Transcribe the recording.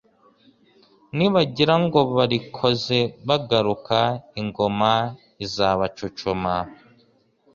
Nibagira ngo barikoze bagaruka, Ingoma izabacucuma